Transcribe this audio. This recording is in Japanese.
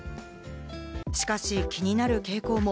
しかし気になる傾向も。